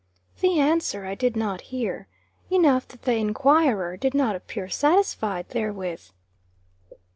The answer I did not hear. Enough that the enquirer did not appear satisfied therewith.